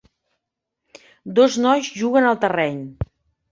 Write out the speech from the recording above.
Dos nois juguen al terreny.